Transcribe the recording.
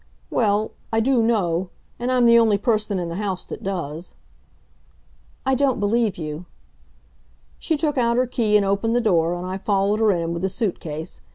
"Well I do know. And I'm the only person in the house that does." "I don't believe you." She took out her key and opened the door, and I followed her in with the suit case.